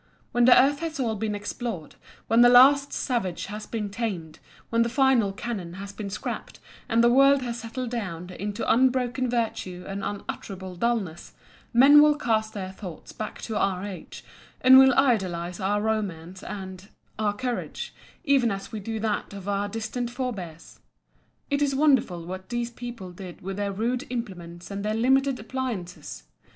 When the earth has all been explored, when the last savage has been tamed, when the final cannon has been scrapped, and the world has settled down into unbroken virtue and unutterable dulness, men will cast their thoughts back to our age, and will idealize our romance and—our courage, even as we do that of our distant forbears. "It is wonderful what these people did with their rude implements and their limited appliances!"